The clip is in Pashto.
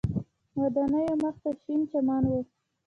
ودانیو مخ ته شین چمن و.